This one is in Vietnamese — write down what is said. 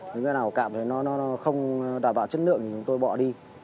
những cái nào cảm thấy nó không đảm bảo chất lượng thì chúng tôi bỏ đi